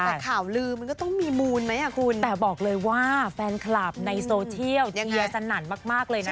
แต่ข่าวลือมันก็ต้องมีมูลไหมอ่ะคุณแต่บอกเลยว่าแฟนคลับในโซเชียลเชียร์สนั่นมากเลยนะ